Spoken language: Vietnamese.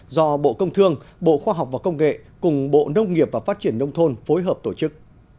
do bộ công thương bộ khoa học và công nghệ cùng bộ nông nghiệp và phát triển nông thôn phối hợp tổ chức